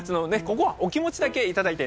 ここはお気持ちだけ頂いて。